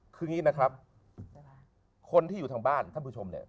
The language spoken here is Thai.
คืออย่างนี้นะครับคนที่อยู่ทางบ้านท่านผู้ชมเนี่ย